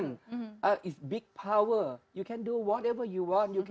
anda bisa melakukan apa saja yang anda inginkan